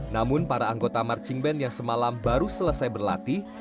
namun para anggota marching band yang semalam baru selesai berlatih